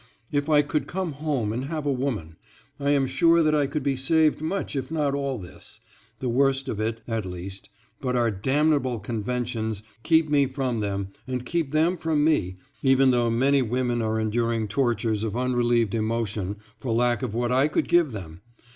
If I could come home and have a woman, I am sure that I could be saved much if not all this the worst of it at least, but our damnable conventions keep me from them and keep them from me even though many women are enduring tortures of unrelieved emotion for lack of what I could give them.